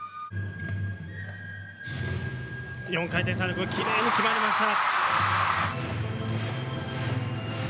４回転サルコウきれいに決まりました。